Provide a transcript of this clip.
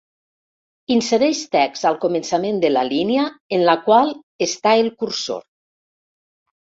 Insereix text al començament de la línia en la qual està el cursor.